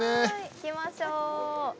行きましょう。